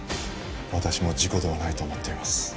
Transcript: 私も事故ではないと思っています